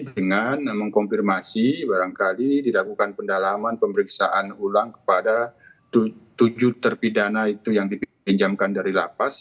dengan mengkonfirmasi barangkali dilakukan pendalaman pemeriksaan ulang kepada tujuh terpidana itu yang dipinjamkan dari lapas